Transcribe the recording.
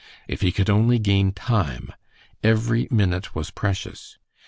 If he could only gain time. Every minute was precious.